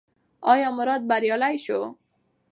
ایا مراد بریالی شو؟